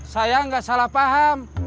saya nggak salah paham